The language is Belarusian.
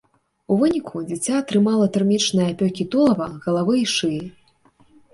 У выніку дзіця атрымала тэрмічныя апёкі тулава, галавы і шыі.